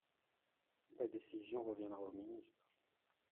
La décision reviendra au ministre.